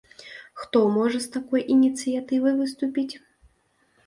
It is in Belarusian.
Хто можа з такой ініцыятывай выступіць?